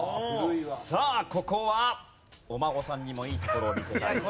さあここはお孫さんにもいいところを見せたい。